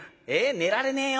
寝られねえよ。